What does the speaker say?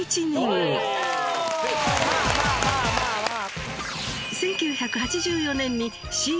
まあまあまあまあまあ。